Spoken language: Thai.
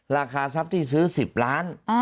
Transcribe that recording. ราคาทรัพย์ที่ซื้อ๑๐ล้าน